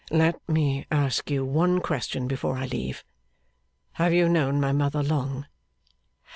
'Let me ask you one question before I leave. Have you known my mother long?